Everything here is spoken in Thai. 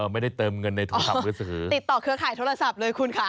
ไม่ได้เติมเงินติดต่อเครื่องขายโทรศัพท์เลยคุณค่ะ